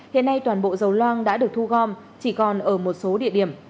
hiện nay toàn bộ dầu loang đã được thu gom chỉ còn ở một số địa điểm